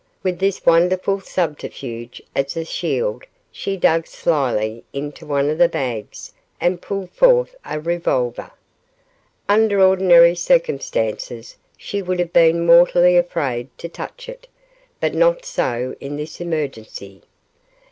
With this wonderful subterfuge as a shield she dug slyly into one of the bags and pulled forth a revolver. Under ordinary circumstances she would have been mortally afraid to touch it, but not so in this emergency.